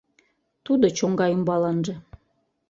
Тудо чоҥга ӱмбаланже